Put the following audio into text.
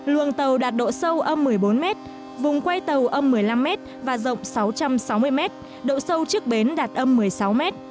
luồng tàu đạt độ sâu âm một mươi bốn mét vùng quay tàu âm một mươi năm m và rộng sáu trăm sáu mươi m độ sâu trước bến đạt âm một mươi sáu m